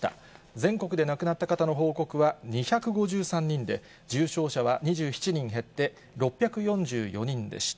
全国で亡くなった方の報告は２５３人で、重症者は２７人減って６４４人でした。